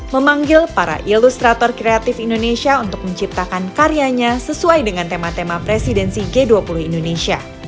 memanggil para ilustrator kreatif indonesia untuk menciptakan karyanya sesuai dengan tema tema presidensi g dua puluh indonesia